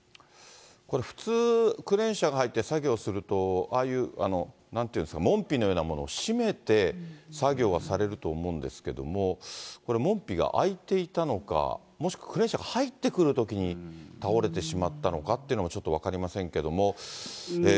これ、普通、クレーン車が入って、作業すると、ああいう、なんていうんですか、門扉のようなものを閉めて作業はされると思うんですけれども、これ、門扉が開いていたのか、もしくはクレーン車入ってくるときに倒れてしまったのかっていうのも、ちょっと分かりませんけれども。